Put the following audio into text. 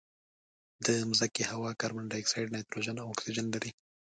د مځکې هوا کاربن ډای اکسایډ، نایتروجن او اکسیجن لري.